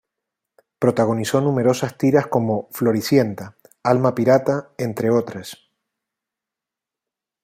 Protagonizó numerosas tiras como "Floricienta", "Alma pirata", entre otras.